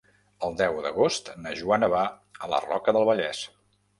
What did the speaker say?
El deu d'agost na Joana va a la Roca del Vallès.